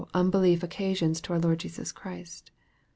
un~ belief occasions to our Lord Jesus Christ.